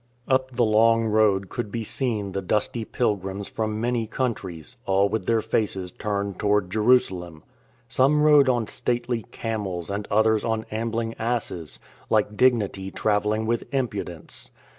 Up the long road could be seen the dusty pilgrims from many countries, all with their faces turned toward Jerusalem. Some rode on stately camels and others on ambling asses, like dignity travelling with impudence.